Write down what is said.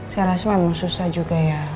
seharusnya memang susah juga ya